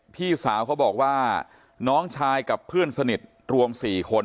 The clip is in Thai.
พี่สาวเขาบอกว่าน้องชายกับเพื่อนสนิทรวม๔คน